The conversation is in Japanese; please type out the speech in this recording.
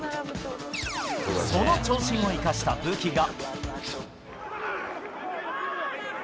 その長身を生かした武器が。